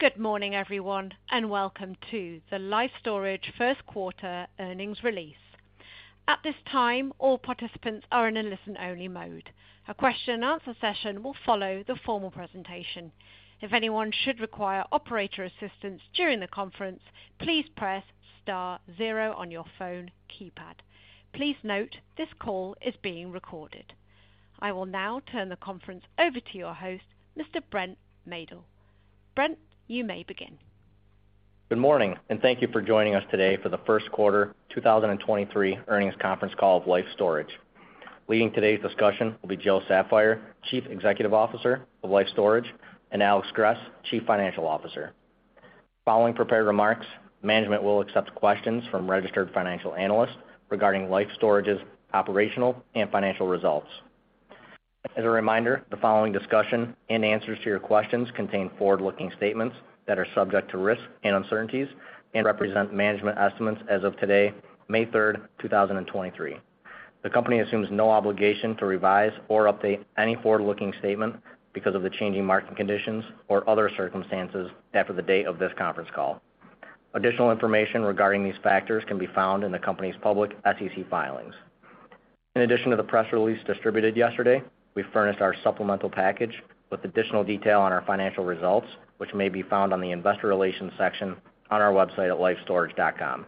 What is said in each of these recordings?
Good morning everyone, and welcome to the Life Storage First Quarter Earnings Release. At this time, all participants are in a listen-only mode. A question and answer session will follow the formal presentation. If anyone should require operator assistance during the conference, please press star zero on your phone keypad. Please note this call is being recorded. I will now turn the conference over to your host, Mr. Brent Maedl. Brent, you may begin. Good morning, and thank you for joining us today for the First Quarter, 2023 Earnings Conference Call of Life Storage. Leading today's discussion will be Joe Saffire, Chief Executive Officer of Life Storage, and Alex Gress, Chief Financial Officer. Following prepared remarks, management will accept questions from registered financial analysts regarding Life Storage's operational and financial results. As a reminder, the following discussion and answers to your questions contain forward-looking statements that are subject to risks and uncertainties and represent management estimates as of today, May 3, 2023. The company assumes no obligation to revise or update any forward-looking statement because of the changing market conditions or other circumstances after the date of this conference call. Additional information regarding these factors can be found in the company's public SEC filings. In addition to the press release distributed yesterday, we furnished our supplemental package with additional detail on our financial results, which may be found on the investor relations section on our website at lifestorage.com.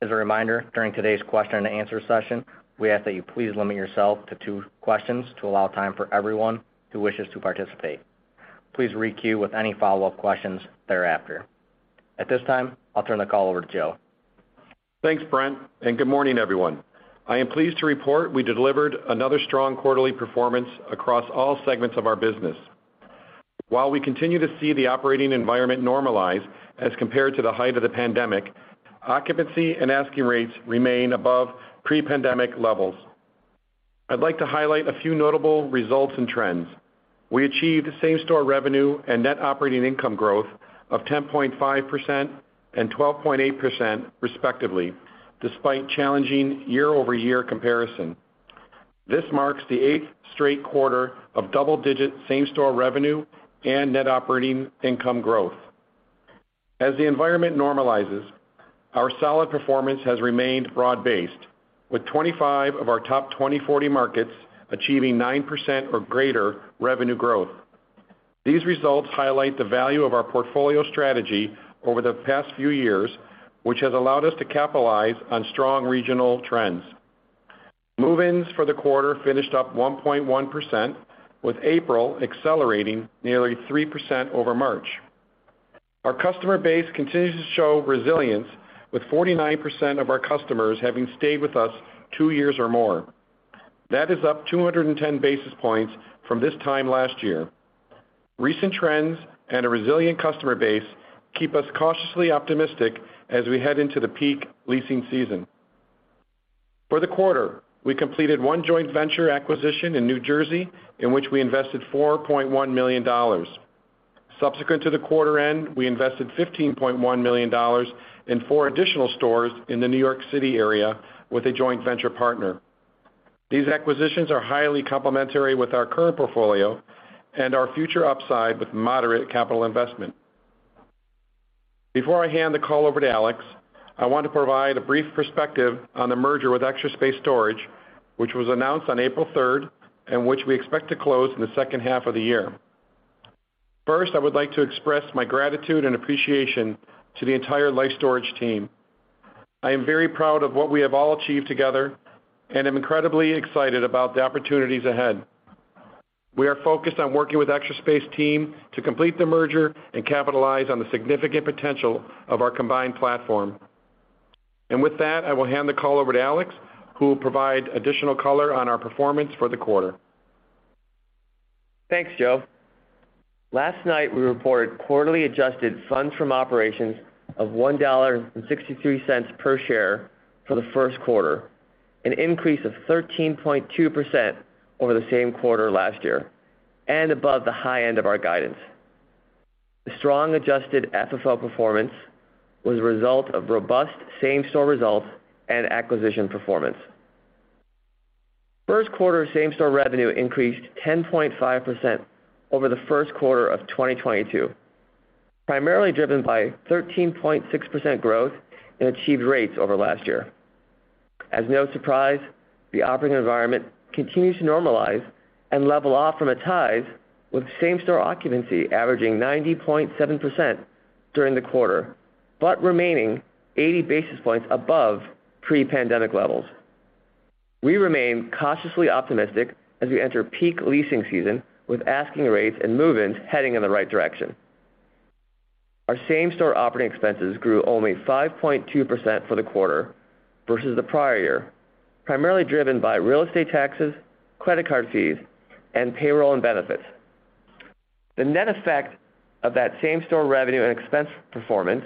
As a reminder, during today's question and answer session, we ask that you please limit yourself to 2 questions to allow time for everyone who wishes to participate. Please re-queue with any follow-up questions thereafter. At this time, I'll turn the call over to Joe. Thanks, Brent, and good morning, everyone. I am pleased to report we delivered another strong quarterly performance across all segments of our business. While we continue to see the operating environment normalize as compared to the height of the pandemic, occupancy and asking rates remain above pre-pandemic levels. I'd like to highlight a few notable results and trends. We achieved same-store revenue and net operating income growth of 10.5% and 12.8% respectively, despite challenging year-over-year comparison. This marks the 8th straight quarter of double-digit same-store revenue and net operating income growth. As the environment normalizes, our solid performance has remained broad-based, with 25 of our top 20-40 markets achieving 9% or greater revenue growth. These results highlight the value of our portfolio strategy over the past few years, which has allowed us to capitalize on strong regional trends. Move-ins for the quarter finished up 1.1%, with April accelerating nearly 3% over March. Our customer base continues to show resilience, with 49% of our customers having stayed with us 2 years or more. That is up 210 basis points from this time last year. Recent trends and a resilient customer base keep us cautiously optimistic as we head into the peak leasing season. For the quarter, we completed 1 joint venture acquisition in New Jersey in which we invested $4.1 million. Subsequent to the quarter end, we invested $15.1 million in 4 additional stores in the New York City area with a joint venture partner. These acquisitions are highly complementary with our current portfolio and our future upside with moderate capital investment. Before I hand the call over to Alex, I want to provide a brief perspective on the merger with Extra Space Storage, which was announced on April third, and which we expect to close in the second half of the year. First, I would like to express my gratitude and appreciation to the entire Life Storage team. I am very proud of what we have all achieved together and am incredibly excited about the opportunities ahead. We are focused on working with Extra Space team to complete the merger and capitalize on the significant potential of our combined platform. With that, I will hand the call over to Alex, who will provide additional color on our performance for the quarter. Thanks, Joe. Last night, we reported quarterly adjusted funds from operations of $1.63 per share for the first quarter, an increase of 13.2% over the same quarter last year and above the high end of our guidance. The strong adjusted FFO performance was a result of robust same-store results and acquisition performance. First quarter same-store revenue increased 10.5% over the first quarter of 2022, primarily driven by 13.6% growth in achieved rates over last year. As no surprise, the operating environment continues to normalize and level off from its highs, with same-store occupancy averaging 90.7% during the quarter, but remaining 80 basis points above pre-pandemic levels. We remain cautiously optimistic as we enter peak leasing season with asking rates and move-ins heading in the right direction. Our same-store operating expenses grew only 5.2% for the quarter versus the prior year, primarily driven by real estate taxes, credit card fees, and payroll and benefits. The net effect of that same-store revenue and expense performance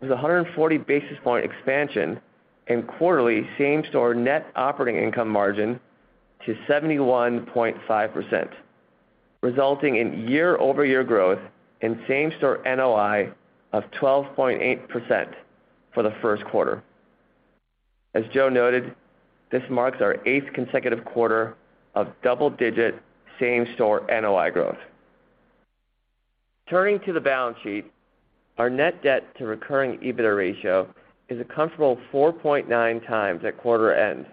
was 140 basis point expansion in quarterly same-store net operating income margin to 71.5%, resulting in year-over-year growth in same-store NOI of 12.8% for the first quarter. As Joe noted, this marks our eighth consecutive quarter of double-digit same-store NOI growth. Turning to the balance sheet, our net debt to recurring EBITDA ratio is a comfortable 4.9 times at quarter end,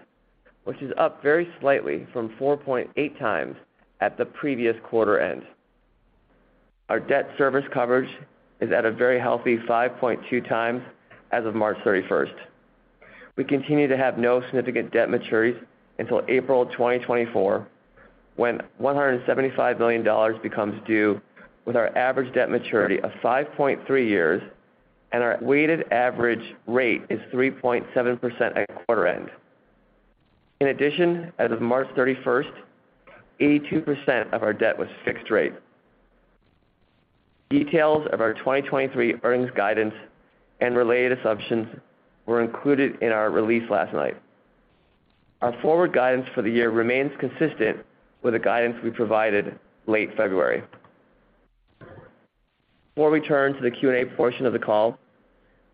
which is up very slightly from 4.8 times at the previous quarter end. Our debt service coverage is at a very healthy 5.2 times as of March 31st. We continue to have no significant debt maturities until April 2024, when $175 million becomes due with our average debt maturity of 5.3 years and our weighted average rate is 3.7% at quarter end. In addition, as of March 31st, 82% of our debt was fixed rate. Details of our 2023 earnings guidance and related assumptions were included in our release last night. Our forward guidance for the year remains consistent with the guidance we provided late February. Before we turn to the Q&A portion of the call,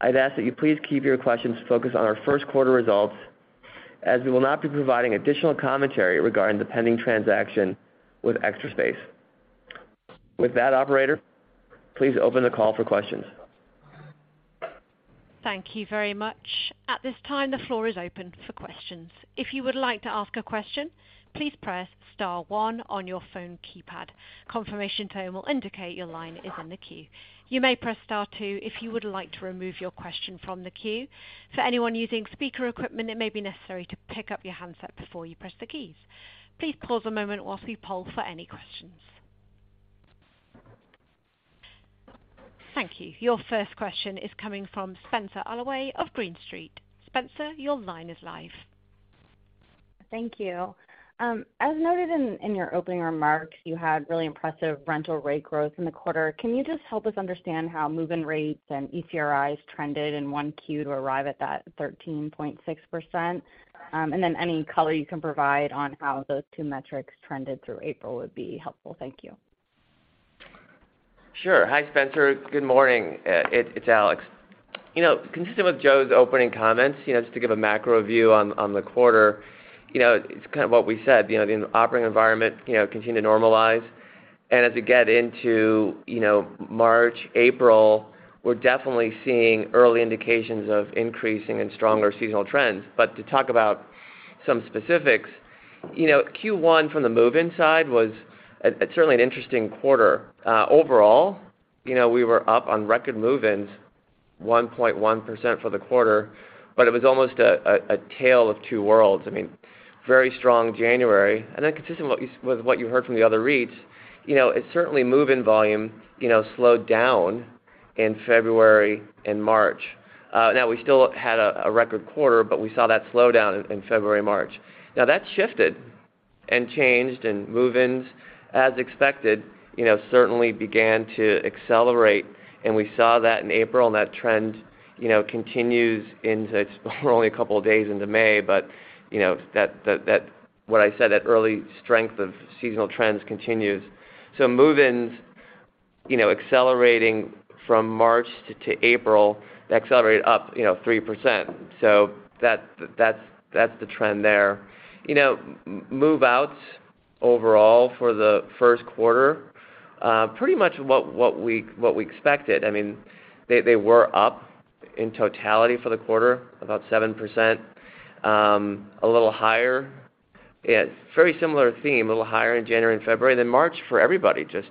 I'd ask that you please keep your questions focused on our first quarter results as we will not be providing additional commentary regarding the pending transaction with Extra Space. With that, operator, please open the call for questions. Thank you very much. At this time, the floor is open for questions. If you would like to ask a question, please press star one on your phone keypad. Confirmation tone will indicate your line is in the queue. You may press star two if you would like to remove your question from the queue. For anyone using speaker equipment, it may be necessary to pick up your handset before you press the keys. Please pause a moment whilst we poll for any questions. Thank you. Your first question is coming from Spenser Allaway of Green Street. Spencer, your line is live. Thank you. As noted in your opening remarks, you had really impressive rental rate growth in the quarter. Can you just help us understand how move-in rates and ECRIs trended in 1Q to arrive at that 13.6%? Any color you can provide on how those two metrics trended through April would be helpful. Thank you. Sure. Hi, Spencer. Good morning. It's Alex. You know, consistent with Joe's opening comments, you know, just to give a macro view on the quarter, you know, it's kind of what we said, you know, the operating environment, you know, continued to normalize. As we get into, you know, March, April, we're definitely seeing early indications of increasing and stronger seasonal trends. To talk about some specifics, you know, Q1 from the move-in side was certainly an interesting quarter. Overall, you know, we were up on record move-ins 1.1% for the quarter, it was almost a tale of two worlds. I mean, very strong January, consistent with what you heard from the other REITs, you know, it's certainly move-in volume, you know, slowed down in February and March. Now we still had a record quarter, but we saw that slowdown in February, March. Now that's shifted and changed and move-ins as expected, you know, certainly began to accelerate and we saw that in April, and that trend, you know, continues into. It's only a couple of days into May, but, you know, that what I said, that early strength of seasonal trends continues. Move-ins, you know, accelerating from March to April accelerated up, you know, 3%. That's the trend there. You know, move-outs overall for the first quarter, pretty much what we expected. I mean, they were up in totality for the quarter, about 7%. A little higher. Yeah, it's very similar theme, a little higher in January and February. March for everybody just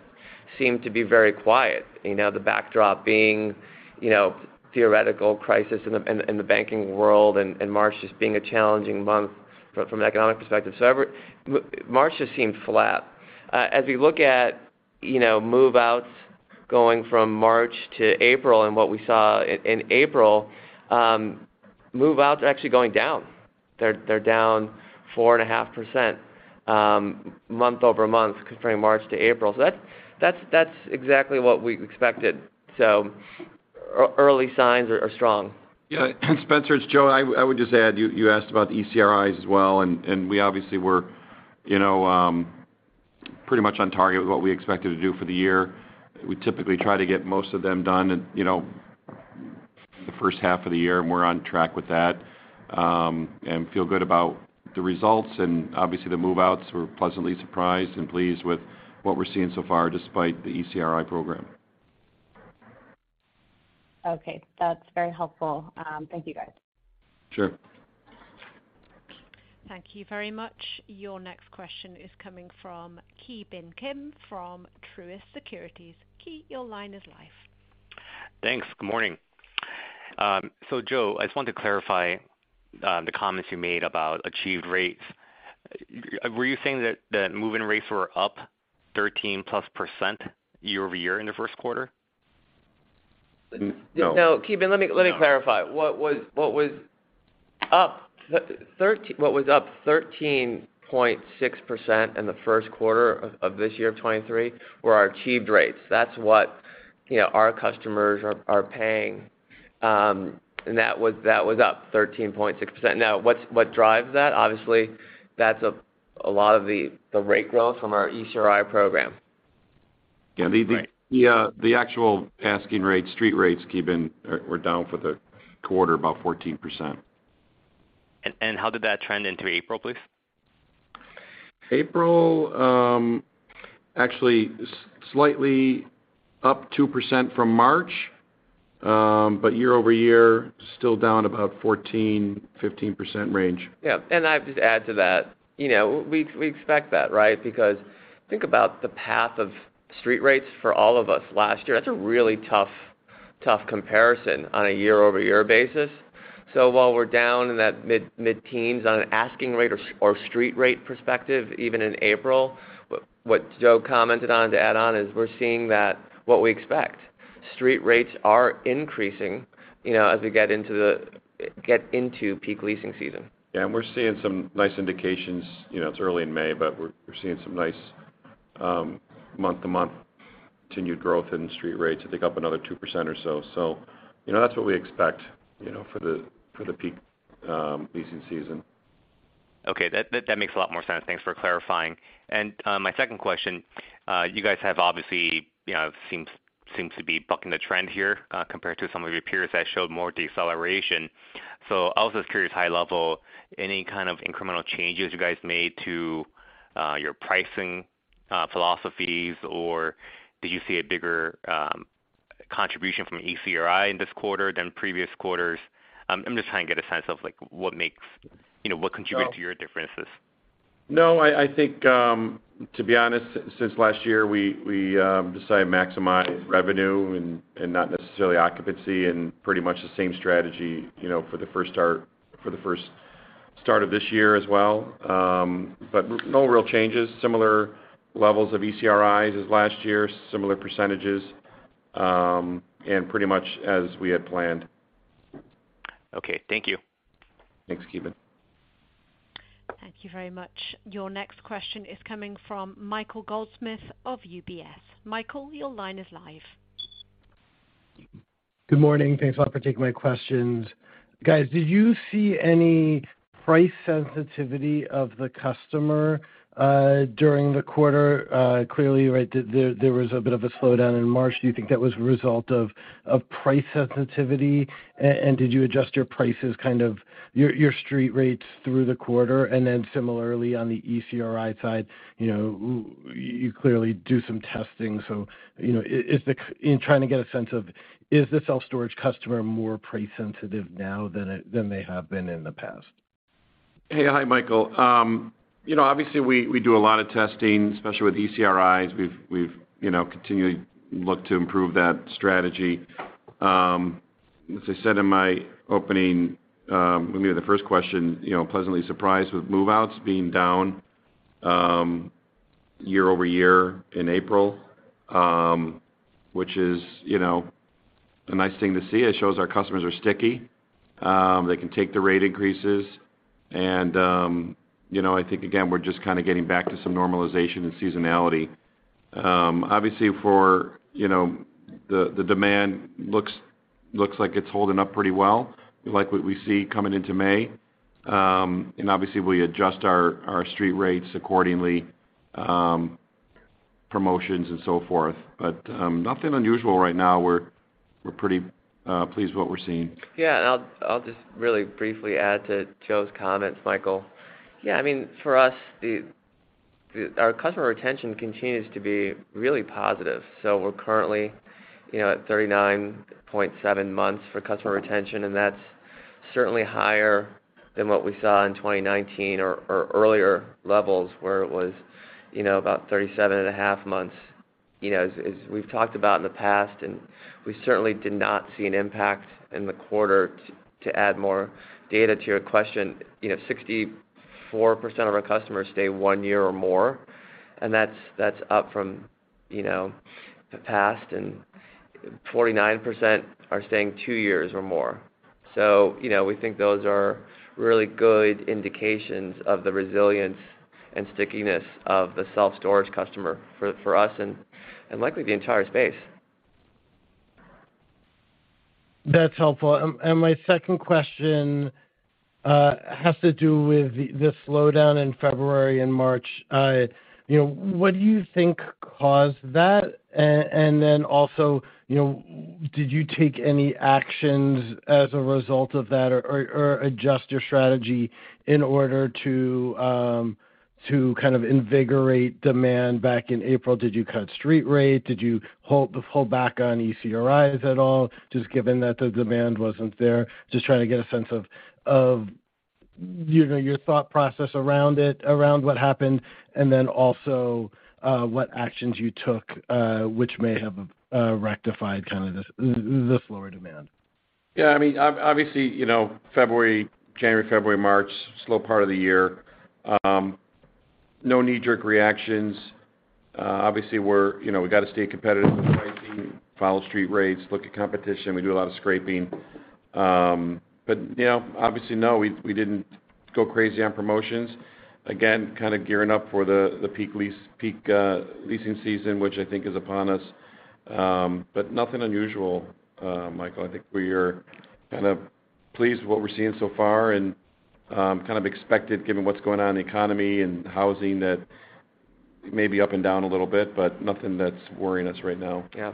seemed to be very quiet, you know, the backdrop being, you know, theoretical crisis in the banking world and March just being a challenging month from an economic perspective. March just seemed flat. As we look at, you know, move-outs going from March to April and what we saw in April, move-outs are actually going down. They're down 4.5%, month-over-month comparing March to April. That's exactly what we expected. Early signs are strong. Yeah. Spenser Allaway, it's Joe Saffire. I would just add, you asked about ECRI as well, and we obviously were, you know, pretty much on target with what we expected to do for the year. We typically try to get most of them done in, you know, the first half of the year, and we're on track with that. Feel good about the results, and obviously the move-outs we're pleasantly surprised and pleased with what we're seeing so far despite the ECRI program. Okay. That's very helpful. Thank you guys. Sure. Thank you very much. Your next question is coming from Ki Bin Kim from Truist Securities. Ki, your line is live. Thanks. Good morning. Joe, I just want to clarify the comments you made about achieved rates. Were you saying that move-in rates were up 13%+ year-over-year in the first quarter? No. No. Ki Bin, let me clarify. What was up 13.6% in the first quarter of this year of 2023 were our achieved rates. That's what, you know, our customers are paying. That was up 13.6%. What drives that? Obviously that's a lot of the rate growth from our ECRI program. Yeah. The actual asking rate, street rates, Ki Bin, were down for the quarter about 14%. How did that trend into April, please? April, actually slightly up 2% from March. Year-over-year still down about 14%-15% range. I'll just add to that. You know, we expect that, right? Think about the path of street rates for all of us last year. That's a really tough comparison on a year-over-year basis. While we're down in that mid-teens on an asking rate or street rate perspective even in April, what Joe commented on to add on is we're seeing that what we expect. Street rates are increasing, you know, as we get into peak leasing season. Yeah. We're seeing some nice indications. You know, it's early in May, but we're seeing some nice month-to-month continued growth in the street rates. I think up another 2% or so. You know, that's what we expect, you know, for the peak leasing season. Okay. That makes a lot more sense. Thanks for clarifying. My second question, you guys have obviously, you know, seems to be bucking the trend here, compared to some of your peers that showed more deceleration. I was just curious high level, any kind of incremental changes you guys made to your pricing philosophies, or do you see a bigger contribution from ECRI in this quarter than previous quarters? I'm just trying to get a sense of like what contributes to your differences. No, I think, to be honest, since last year, we decided to maximize revenue and not necessarily occupancy, and pretty much the same strategy, you know, for the first start of this year as well. No real changes. Similar levels of ECRIs as last year, similar percentages, and pretty much as we had planned. Okay. Thank you. Thanks, Ki Bin. Thank you very much. Your next question is coming from Michael Goldsmith of UBS. Michael, your line is live. Good morning. Thanks a lot for taking my questions. Guys, did you see any price sensitivity of the customer during the quarter? Clearly, right, there was a bit of a slowdown in March. Do you think that was a result of price sensitivity? And did you adjust your prices, kind of your street rates through the quarter? Then similarly on the ECRI side, you know, you clearly do some testing so, you know, In trying to get a sense of, is the self-storage customer more price sensitive now than they have been in the past? Hey. Hi, Michael. you know, obviously we do a lot of testing, especially with ECRIs. We've, you know, continually looked to improve that strategy. As I said in my opening, maybe the first question, you know, pleasantly surprised with move-outs being down year-over-year in April, which is, you know, a nice thing to see. It shows our customers are sticky. They can take the rate increases and, you know, I think again, we're just kind of getting back to some normalization and seasonality. Obviously for, you know, the demand looks like it's holding up pretty well, like what we see coming into May. Obviously we adjust our street rates accordingly, promotions and so forth. Nothing unusual right now. We're pretty pleased with what we're seeing. Yeah. I'll just really briefly add to Joe's comments, Michael. Yeah, I mean, for us Our customer retention continues to be really positive, so we're currently, you know, at 39.7 months for customer retention, and that's certainly higher than what we saw in 2019 or earlier levels where it was, you know, about 37 and a half months. You know, as we've talked about in the past and we certainly did not see an impact in the quarter to add more data to your question. You know, 64% of our customers stay one year or more, and that's up from, you know, the past and 49% are staying two years or more. you know, we think those are really good indications of the resilience and stickiness of the self-storage customer for us and likely the entire space. That's helpful. My second question has to do with the slowdown in February and March. You know, what do you think caused that? You know, did you take any actions as a result of that or adjust your strategy in order to kind of invigorate demand back in April? Did you cut street rate? Did you hold back on ECRIs at all just given that the demand wasn't there? Just trying to get a sense of, you know, your thought process around it, around what happened, and then also, what actions you took, which may have rectified kind of the slower demand. Yeah, I mean, obviously, you know, January, February, March, slow part of the year. No knee-jerk reactions. Obviously we're, you know, we gotta stay competitive with pricing, follow street rates, look at competition. We do a lot of scraping. You know, obviously, no, we didn't go crazy on promotions. Again, kind of gearing up for the peak leasing season, which I think is upon us. Nothing unusual, Michael. I think we're kind of pleased what we're seeing so far and, kind of expected given what's going on in the economy and housing that may be up and down a little bit, but nothing that's worrying us right now. Yeah.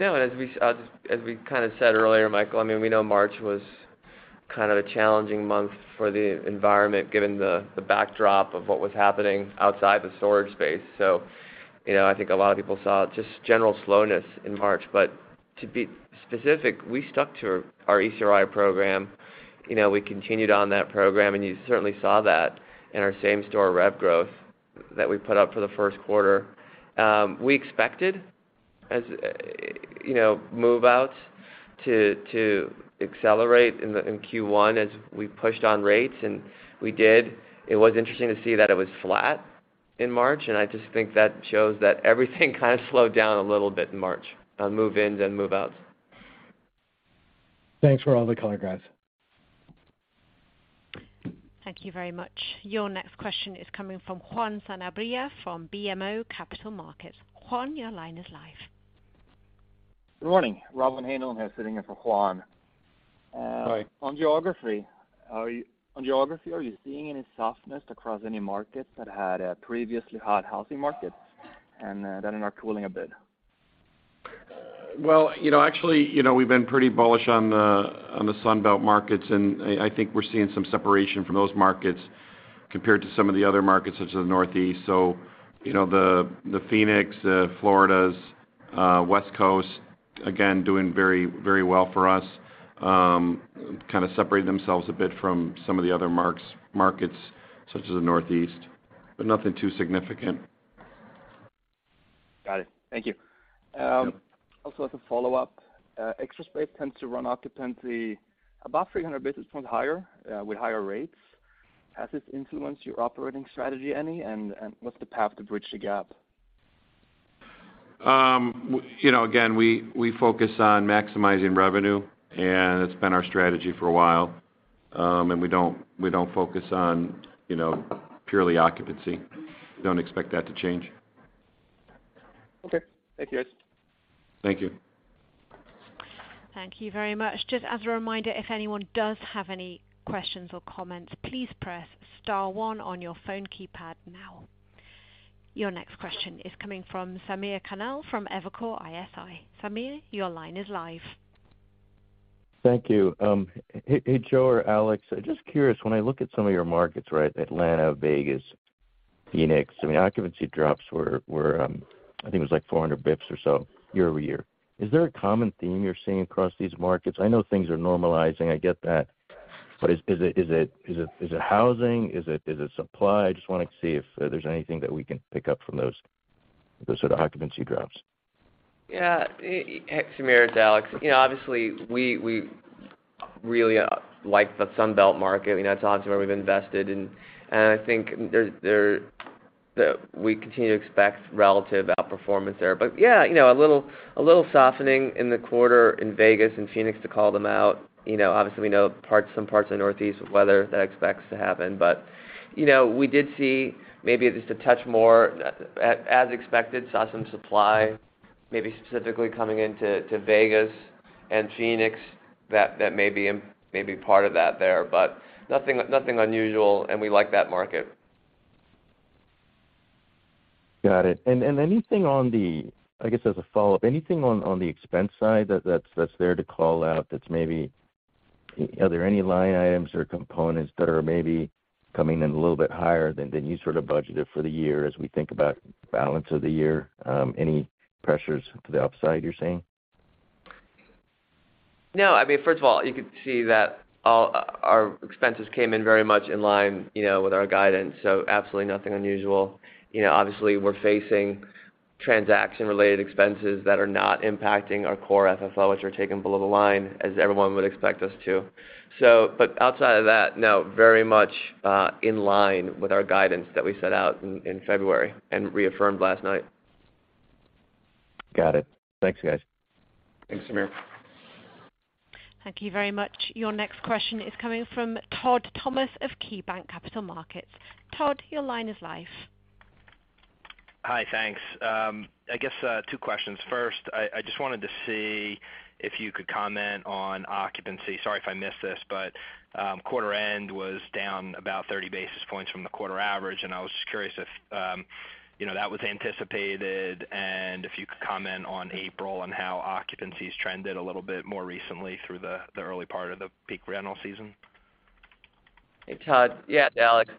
No, as we, as we kind of said earlier, Michael, I mean, we know March was kind of a challenging month for the environment, given the backdrop of what was happening outside the storage space. You know, I think a lot of people saw just general slowness in March. To be specific, we stuck to our ECRI program. You know, we continued on that program, and you certainly saw that in our same-store rev growth that we put up for the first quarter. We expected as, you know, move-outs to accelerate in Q1 as we pushed on rates, and we did. It was interesting to see that it was flat in March, and I just think that shows that everything kind of slowed down a little bit in March on move-ins and move-outs. Thanks for all the color, guys. Thank you very much. Your next question is coming from Juan Sanabria from BMO Capital Markets. Juan, your line is live. Good morning. Robyn Hahn here sitting in for Juan. Hi. On geography, are you seeing any softness across any markets that had, previously hot housing markets and, that are now cooling a bit? Well, you know, actually, you know, we've been pretty bullish on the Sunbelt markets. I think we're seeing some separation from those markets compared to some of the other markets such as the Northeast. You know, the Phoenix, the Floridas, West Coast, again, doing very, very well for us, kind of separating themselves a bit from some of the other markets such as the Northeast. Nothing too significant. Got it. Thank you. Yep. Also as a follow-up, Extra Space tends to run occupancy about 300 basis points higher, with higher rates. Has this influenced your operating strategy any, and what's the path to bridge the gap? You know, again, we focus on maximizing revenue, and it's been our strategy for a while. We don't focus on, you know, purely occupancy. We don't expect that to change. Okay. Thank you, guys. Thank you. Thank you very much. Just as a reminder, if anyone does have any questions or comments, please press star one on your phone keypad now. Your next question is coming from Samir Khanal from Evercore ISI. Samir, your line is live. Thank you. Joe or Alex, just curious, when I look at some of your markets, right, Atlanta, Vegas, Phoenix, I mean, occupancy drops were, I think it was like 400 bips or so year-over-year. Is there a common theme you're seeing across these markets? I know things are normalizing, I get that, but is it housing? Is it supply? I just wanna see if there's anything that we can pick up from those sort of occupancy drops. Hey, Samir, it's Alex. You know, obviously, we really like the Sunbelt market. You know, it's obviously where we've invested and I think there. We continue to expect relative outperformance there. You know, a little softening in the quarter in Vegas and Phoenix to call them out. You know, obviously, we know some parts of the Northeast weather that expects to happen. You know, we did see maybe just a touch more as expected, saw some supply, maybe specifically coming into Vegas and Phoenix that may be part of that there, but nothing unusual, and we like that market. Got it. Anything on, I guess as a follow-up, anything on the expense side that's there to call out that's maybe, are there any line items or components that are maybe coming in a little bit higher than you sort of budgeted for the year as we think about balance of the year? Any pressures to the upside you're seeing? No. I mean, first of all, you could see that all our expenses came in very much in line, you know, with our guidance, so absolutely nothing unusual. You know, obviously, we're facing transaction-related expenses that are not impacting our core FFO, which are taken below the line as everyone would expect us to. Outside of that, no, very much in line with our guidance that we set out in February and reaffirmed last night. Got it. Thanks, guys. Thanks, Samir. Thank you very much. Your next question is coming from Todd Thomas of KeyBanc Capital Markets. Todd, your line is live. Hi. Thanks. I guess, two questions. First, I just wanted to see if you could comment on occupancy. Sorry if I missed this. Quarter end was down about 30 basis points from the quarter average. I was just curious if, you know, that was anticipated and if you could comment on April and how occupancy's trended a little bit more recently through the early part of the peak rental season. Hey, Todd. Yeah, it's Alex.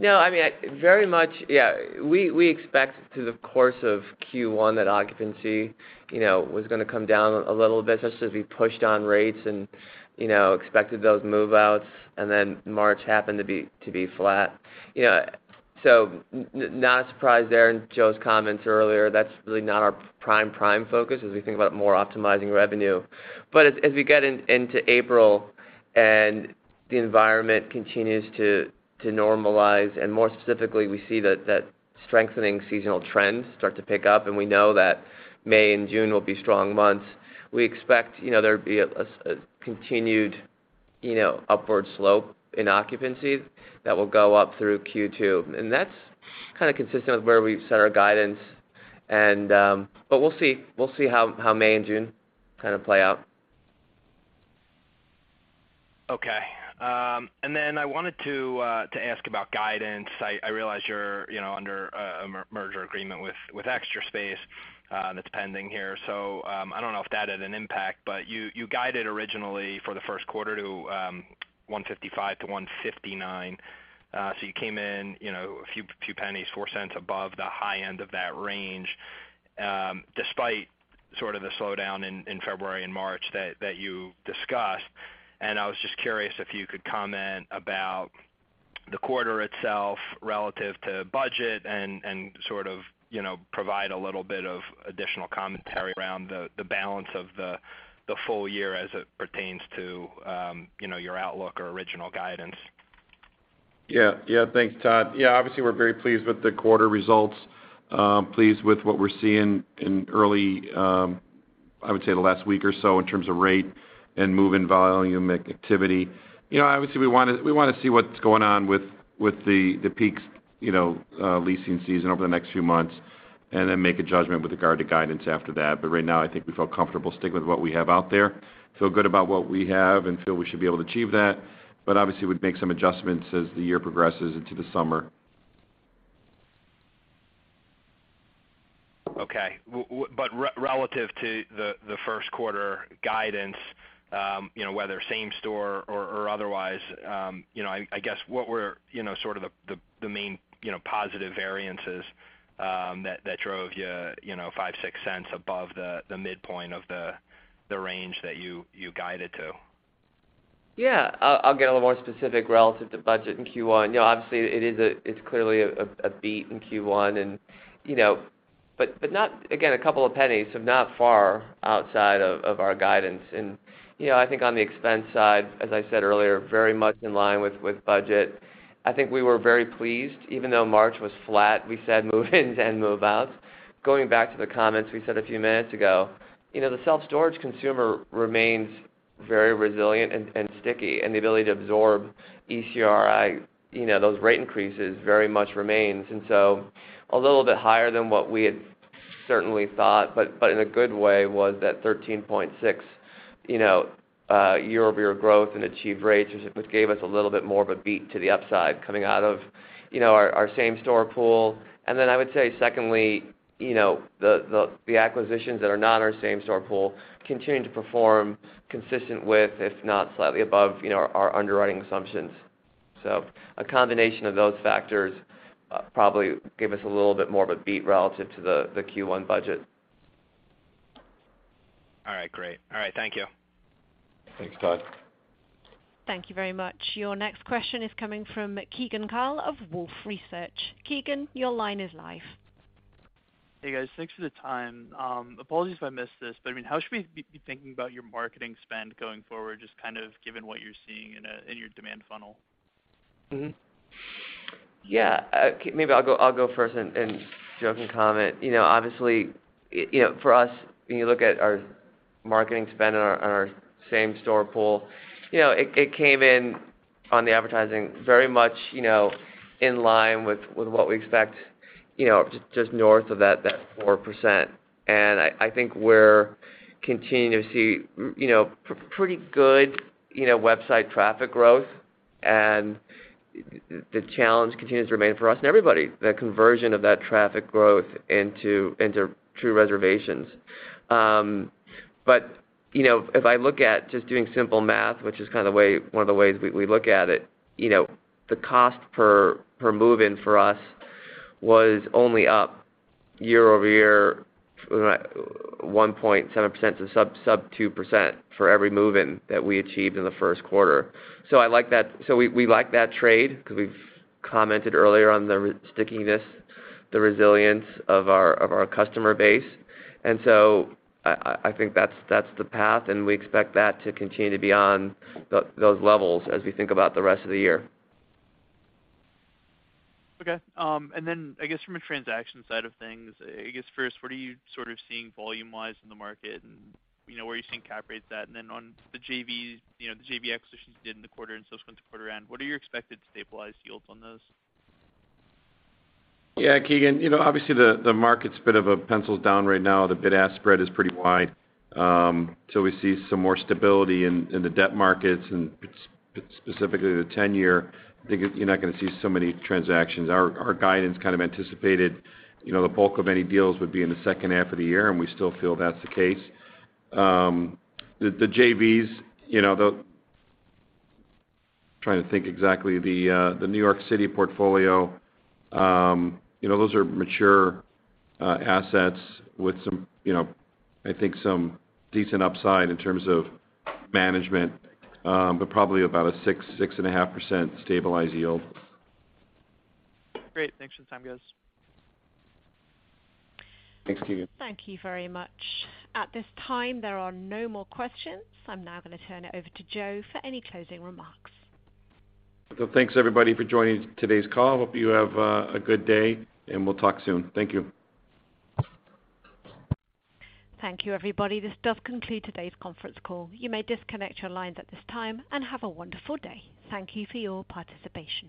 I mean, very much, yeah, we expect through the course of Q1 that occupancy, you know, was going to come down a little bit just as we pushed on rates and, you know, expected those move-outs, and then March happened to be flat. You know, not a surprise there in Joe's comments earlier. That's really not our prime focus as we think about more optimizing revenue. As we get into April and the environment continues to normalize, and more specifically, we see that strengthening seasonal trends start to pick up, and we know that May and June will be strong months, we expect, you know, there'll be a continued, you know, upward slope in occupancies that will go up through Q2. That's kind of consistent with where we've set our guidance and. We'll see. We'll see how May and June kind of play out. Okay. I wanted to ask about guidance. I realize you're, you know, under a merger agreement with Extra Space that's pending here. I don't know if that had an impact. You guided originally for the first quarter to $1.55-$1.59. You came in, you know, a few pennies, $0.04 above the high end of that range, despite sort of the slowdown in February and March that you discussed. I was just curious if you could comment about the quarter itself relative to budget and sort of, you know, provide a little bit of additional commentary around the balance of the full year as it pertains to, you know, your outlook or original guidance. Yeah. Yeah. Thanks, Todd. Obviously, we're very pleased with the quarter results, pleased with what we're seeing in early, I would say the last week or so in terms of rate and move-in volume activity. You know, obviously, we wanna see what's going on with the peaks, you know, leasing season over the next few months, and then make a judgment with regard to guidance after that. Right now, I think we feel comfortable sticking with what we have out there. Feel good about what we have, and feel we should be able to achieve that. Obviously, we'd make some adjustments as the year progresses into the summer. Okay. Relative to the first quarter guidance, you know, whether same-store or otherwise, you know, I guess what were, you know, sort of the main, you know, positive variances that drove you know, $0.05, $0.06 above the midpoint of the range that you guided to? Yeah. I'll get a little more specific relative to budget in Q1. You know, obviously it's clearly a beat in Q1 and, you know, but not... Again, a couple of pennies, so not far outside of our guidance. I think on the expense side, as I said earlier, very much in line with budget. I think we were very pleased, even though March was flat, we said move-ins and move-outs. Going back to the comments we said a few minutes ago, you know, the self-storage consumer remains very resilient and sticky, and the ability to absorb ECRI, you know, those rate increases very much remains. A little bit higher than what we had certainly thought, but in a good way was that 13.6, you know, year-over-year growth in achieved rates, which gave us a little bit more of a beat to the upside coming out of, you know, our same-store pool. I would say secondly, you know, the, the acquisitions that are not in our same-store pool continue to perform consistent with, if not slightly above, you know, our underwriting assumptions. A combination of those factors, probably gave us a little bit more of a beat relative to the Q1 budget. All right, great. All right, thank you. Thanks, Todd. Thank you very much. Your next question is coming from Keegan Carl of Wolfe Research. Keegan, your line is live. Hey, guys. Thanks for the time. Apologies if I missed this, but, I mean, how should we be thinking about your marketing spend going forward, just kind of given what you're seeing in your demand funnel? Yeah. Maybe I'll go first and Joe can comment. You know, obviously, you know, for us, when you look at our marketing spend on our same-store pool, you know, it came in on the advertising very much, you know, in line with what we expect, you know, just north of that 4%. And I think we're continuing to see you know, pretty good, you know, website traffic growth. And the challenge continues to remain for us and everybody, the conversion of that traffic growth into true reservations. You know, if I look at just doing simple math, which is kind of the way, one of the ways we look at it, you know, the cost per move-in for us was only up year over year, 1.7% to sub 2% for every move-in that we achieved in the first quarter. I like that. We like that trade because we've commented earlier on the stickiness, the resilience of our customer base. I think that's the path, and we expect that to continue to be on those levels as we think about the rest of the year. Okay. I guess from a transaction side of things, I guess first, what are you sort of seeing volume-wise in the market? You know, where are you seeing cap rates at? On the JV, you know, the JV acquisitions you did in the quarter and those going to quarter end, what are your expected stabilized yields on those? Yeah, Keegan. You know, obviously the market's a bit of a pencils down right now. The bid-ask spread is pretty wide. Till we see some more stability in the debt markets and specifically the 10-year, I think you're not gonna see so many transactions. Our guidance kind of anticipated, you know, the bulk of any deals would be in the second half of the year. We still feel that's the case. The JVs, you know, the New York City portfolio, you know, those are mature assets with some, you know, I think some decent upside in terms of management, probably about a 6-6.5% stabilized yield. Great. Thanks for the time, guys. Thanks, Keegan. Thank you very much. At this time, there are no more questions. I'm now gonna turn it over to Joe for any closing remarks. Thanks, everybody, for joining today's call. Hope you have a good day, and we'll talk soon. Thank you. Thank you, everybody. This does conclude today's conference call. You may disconnect your lines at this time, and have a wonderful day. Thank you for your participation.